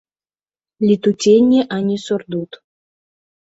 Летуценне, а не сурдут.